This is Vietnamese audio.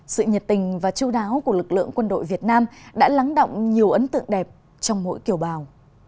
sự nhiệt tình và chú đáo của lực lượng quân đội việt nam đã lắng động nhiều ấn tượng đẹp trong mỗi kiểu bào